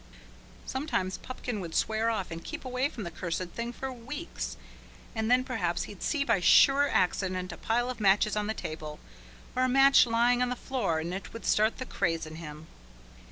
Sometimes Pupkin would swear off and keep away from the cursed thing for weeks, and then perhaps he'd see by sheer accident a pile of matches on the table, or a match lying on the floor and it would start the craze in him.